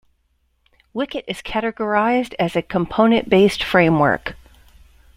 Wicket is categorized as a component-based framework.